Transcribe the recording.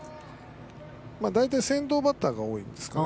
大体、先頭バッターが多いんですかね